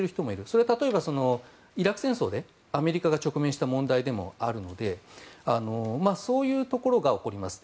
それは例えばイラク戦争でアメリカが直面した問題でもあるのでそういうところが起こります。